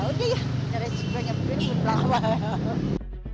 ya udah ya dari segini berapa ya